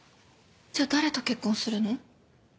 じゃあ誰と結婚するの？